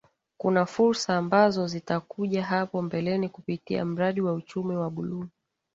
Kuna fursa ambazo zitakujahapo mbeleni kupitia mradi wa Uchumi wa buluu